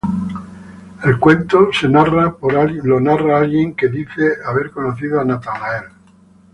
El cuento es narrado por alguien que dice haber conocido a Nathanael.